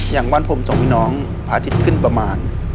อย่างวันผมส่งพี่น้องอาทิตย์ขึ้นประมาณ